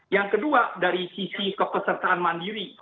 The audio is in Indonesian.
yang kedua dari sisi kepesertaan mandiri